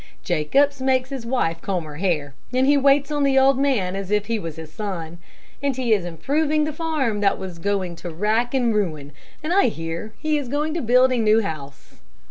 Jacobs makes his wife comb her hair, and he waits on the old man as if he was his son, and he is improving the farm that was going to rack and ruin, and I hear he is going to build a new house."